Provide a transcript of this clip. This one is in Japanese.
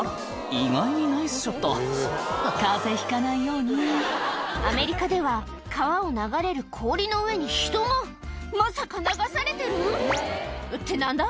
意外にナイスショット風邪ひかないようにアメリカでは川を流れる氷の上に人がまさか流されてる？って何だ？